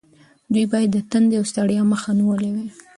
دوی باید د تندې او ستړیا مخه نیولې وای.